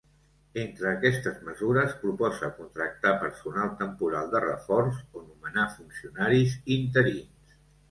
Entre aquestes mesures, proposa contractar personal temporal de reforç o nomenar funcionaris interins.